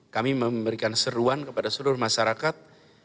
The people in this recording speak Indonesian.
kami memberikan seruan kepada seluruh masyarakat